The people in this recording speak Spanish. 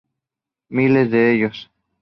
Miles de ellos.